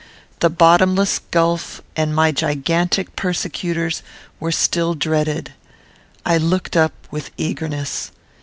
The bottomless gulf and my gigantic persecutors were still dreaded. I looked up with eagerness.